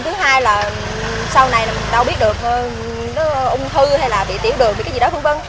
thứ hai là sau này mình đâu biết được nó ung thư hay là bị tiểu đường hay cái gì đó vân vân